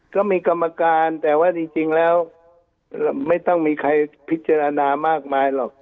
ก็มีกรรมการแต่ว่าจริงแล้วไม่ต้องมีใครพิจารณามากมายหรอก